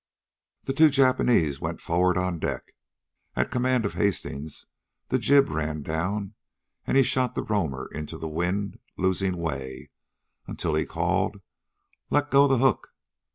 The two Japanese went for'ard on deck. At command of Hastings, the jib ran down, and he shot the Roomer into the wind, losing way, until he called, "Let go the hook!"